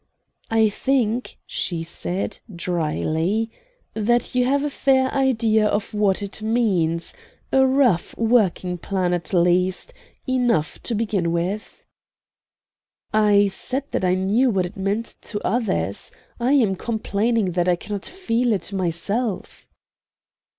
"I think," she said, dryly, "that you have a fair idea of what it means; a rough working plan at least enough to begin on." "I said that I knew what it meant to others. I am complaining that I cannot feel it myself."